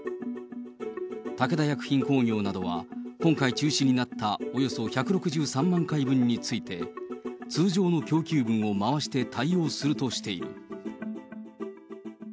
武田薬品工業などは、今回中止になったおよそ１６３万回分について、通常の供給分を回して対応するとしている。